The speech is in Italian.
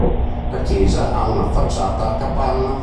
La chiesa ha una facciata a capanna.